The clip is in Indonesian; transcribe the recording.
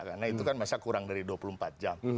karena itu kan masa kurang dari dua puluh empat jam